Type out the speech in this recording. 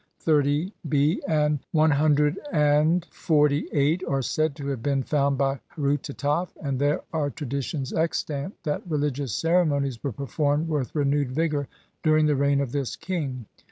XXX b and CXLVIII, are said to have been found by Herutataf, and there are traditions extant that religious ceremonies were performed with re newed vigour during the reign of this king.